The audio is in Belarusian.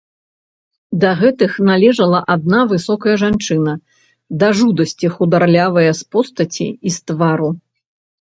Да гэтых належала адна высокая жанчына, да жудасці хударлявая з постаці і з твару.